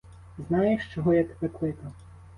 Знаєш, чого я тебе кликав?